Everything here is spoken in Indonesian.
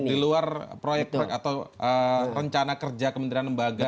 ini diluar rencana kerja kementrian lembaga yang sudah ada